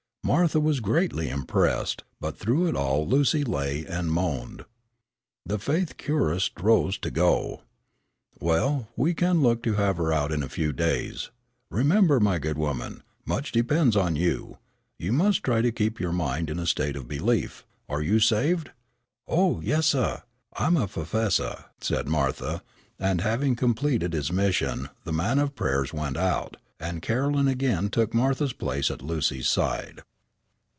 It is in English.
Martha was greatly impressed, but through it all Lucy lay and moaned. The faith curist rose to go. "Well, we can look to have her out in a few days. Remember, my good woman, much depends upon you. You must try to keep your mind in a state of belief. Are you saved?" "Oh, yes, suh. I'm a puffessor," said Martha, and having completed his mission, the man of prayers went out, and Caroline again took Martha's place at Lucy's side.